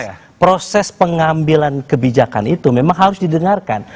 jadi bagi kami proses pengambilan kebijakan itu memang harus didengarkan